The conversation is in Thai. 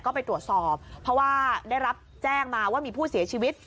ก็ไปตรวจสอบเพราะว่าได้รับแจ้งมาว่ามีผู้เสียชีวิต